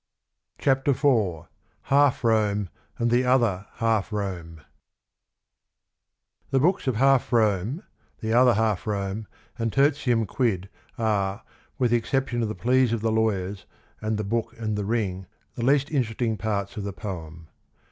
CHAPTER IV HALF ROME AND THE OTHER HALF ROME The books of Half Rome, The Other Half Rome, and Tertium Quid are, with the exception of the pleas of the lawyers and The Book and the Ring, the least interesting parts of the poem.